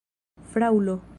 fraŭlo